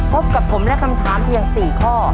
พบกับผมและคำถามที่อย่าง๔ข้อ